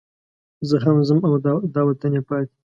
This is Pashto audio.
زه هم ځم دا وطن یې پاتې.